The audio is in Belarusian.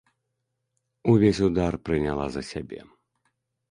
Увесь удар прыняла за сябе.